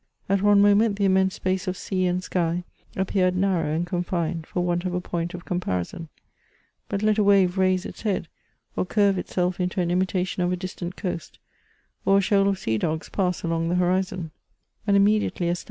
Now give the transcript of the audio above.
At one moment the immense space of sea and sky appeared narrow and confined, foi^'want of a point of comparison ; but let a wave raise its head, or ciu*ve itself into an imitation of a distant coast^ or a shoal of sea dogs pass along the horizon, and immediately a CHATEAUBRIAND.